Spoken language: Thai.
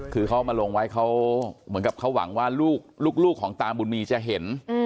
คือเขามาลงไว้เขาเหมือนกับเขาหวังว่าลูกของตาบุญมีจะเห็น